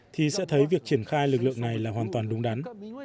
thì sẽ thấy việc triển khai lực lượng này là hoàn toàn đúng đắn